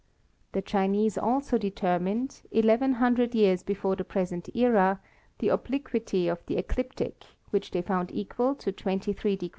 The Chinese also determined, eleven hundred years before the present era, the obliquity of the ecliptic, which they found equal to 23 deg.